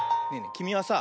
きみはさ